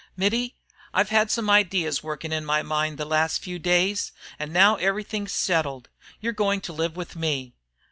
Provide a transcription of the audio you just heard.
"Mittie, I've had some ideas working in my mind the last few days, and now everything's settled. You're going to live with me."